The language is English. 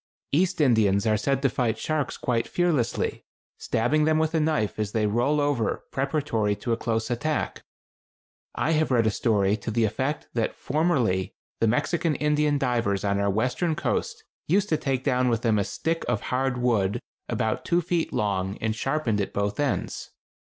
East Indians are said to fight sharks quite fearlessly, stabbing them with a knife as they roll over preparatory to a close attack. I have read a story to the effect that formerly the Mexican Indian divers on our western coast used to take down with them a stick of hard wood about two feet long and sharpened at both ends.